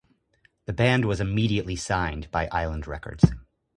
The band was immediately signed by Island Records.